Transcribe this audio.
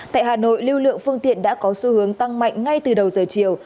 tại hà nội lưu lượng phương tiện đã có xu hướng tăng mạnh ngay từ đầu giờ chiều